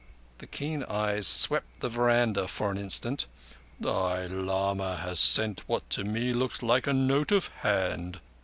the keen eyes swept the veranda for an Instant—"thy lama has sent what to me looks like a note of hand.